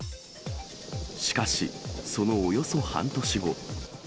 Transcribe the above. しかし、そのおよそ半年後。